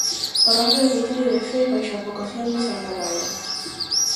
Parroquia do concello de Cee baixo a advocación de santa Baia.